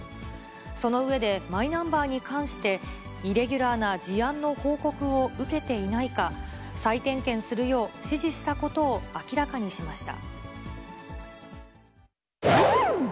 その上で、マイナンバーに関して、イレギュラーな事案の報告を受けていないか、再点検するよう指示したことを明らかにしました。